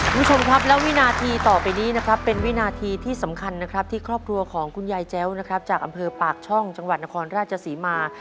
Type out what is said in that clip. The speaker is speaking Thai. คุณผู้ชมครับและวินาทีต่อไปนี้นะครับเป็นวินาทีที่สำคัญนะครับที่ครอบครัวของคุณยายแจ้วนะครับจากอำเภอปากช่องจังหวัดนครราชศรีมา